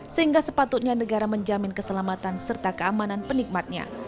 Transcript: sehingga sepatutnya negara menjamin keselamatan serta keamanan penikmatnya